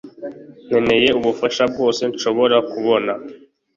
nkeneye ubufasha bwose nshobora kubona